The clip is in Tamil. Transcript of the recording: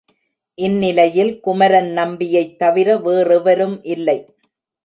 இந்நிலையில் குமரன்நம்பியைத் தவிர வேறெவரும் இல்லை.